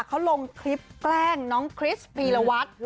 เขาลงคลิปแกล้งน้องคริสพีรวัตร